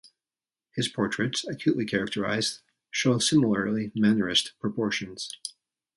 His portraits, acutely characterized, show similarly Mannerist proportions.